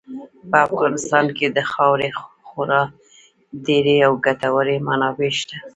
په افغانستان کې د خاورې خورا ډېرې او ګټورې منابع شته.